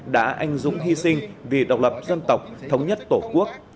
đã anh dũng hy sinh vì độc lập dân tộc thống nhất tổ quốc